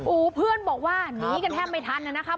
เพื่อนบอกว่าหนีกันแทบไม่ทันนะครับ